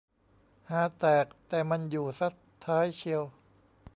ฮาแตก แต่มันอยู่ซะท้ายเชียว